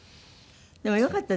でもよかったですね